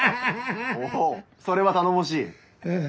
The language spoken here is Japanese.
おおそれは頼もしい！